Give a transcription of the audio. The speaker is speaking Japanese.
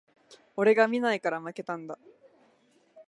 俺が見ないから負けたんだ